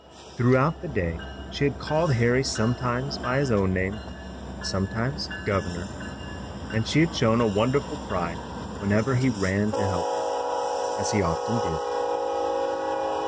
Throughout the day she had called Harry sometimes by his own name and sometimes "governor," and she had shown a wonderful pride whenever he ran to help her, as he often did.